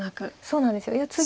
そうなんです。